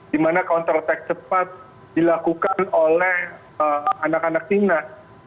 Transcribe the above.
dimana counter attack cepat dilakukan oleh anak anak timnas